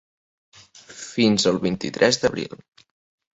Fins al vint-i-tres d’abril.